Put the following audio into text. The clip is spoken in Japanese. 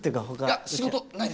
いや仕事ないです。